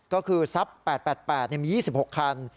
ก็คือทรัพย์๘๘มี๒๖คัน